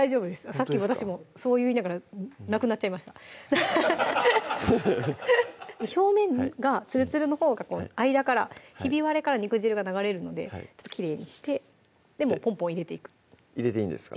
さっき私もそう言いながらなくなっちゃいました表面がツルツルのほうが間からひび割れから肉汁が流れるのでちょっときれいにしてポンポン入れていく入れていいんですか？